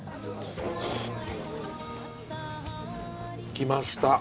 きました。